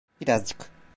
Birazcık.